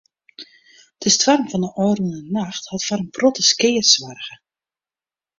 De stoarm fan de ôfrûne nacht hat foar in protte skea soarge.